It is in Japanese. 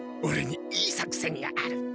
オレにいい作戦がある。